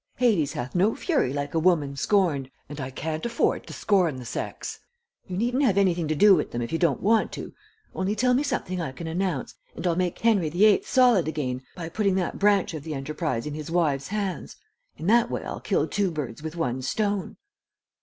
Hades hath no fury like a woman scorned, and I can't afford to scorn the sex. You needn't have anything to do with them if you don't want to only tell me something I can announce, and I'll make Henry the Eighth solid again by putting that branch of the enterprise in his wives' hands. In that way I'll kill two birds with one stone."